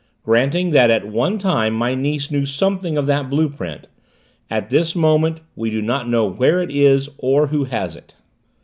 Granting that at one time my niece knew something of that blue print at this moment we do not know where it is or who has it."